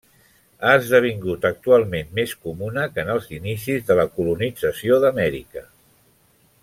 Ha esdevingut actualment més comuna que en els inicis de la colonització d'Amèrica.